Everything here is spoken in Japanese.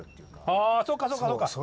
ああそうかそうかそうか。